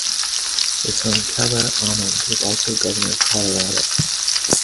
His son Teller Ammons was also governor of Colorado.